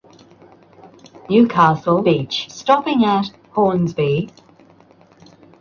Did you see the film The Imitation Game, starring Benedict Cumberbatch?